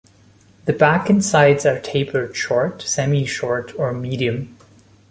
The back and sides are tapered short, semi-short, or medium.